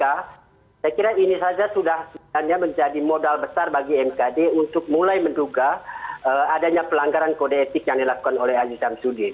saya kira ini saja sudah sebenarnya menjadi modal besar bagi mkd untuk mulai menduga adanya pelanggaran kode etik yang dilakukan oleh aziz syamsudin